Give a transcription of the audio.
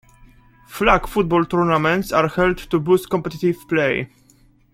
Flag football tournaments are held to boost competitive play.